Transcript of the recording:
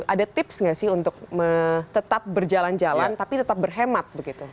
ada tips nggak sih untuk tetap berjalan jalan tapi tetap berhemat begitu